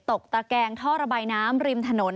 ตะแกงท่อระบายน้ำริมถนน